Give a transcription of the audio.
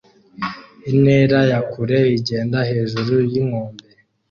Intera ya kure igenda hejuru yinkombe